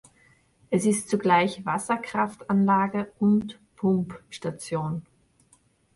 Es ist zugleich Wasserkraftanlage und Pumpstation.